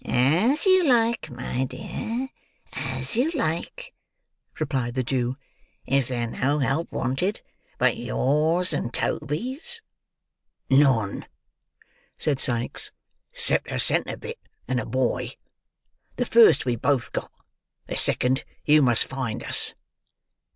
"As you like, my dear, as you like" replied the Jew. "Is there no help wanted, but yours and Toby's?" "None," said Sikes. "Cept a centre bit and a boy. The first we've both got; the second you must find us."